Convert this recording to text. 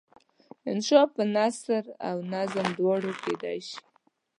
انشأ په نثر او نظم دواړو کیدای شي.